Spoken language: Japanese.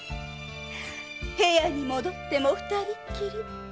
部屋に戻っても二人っきり。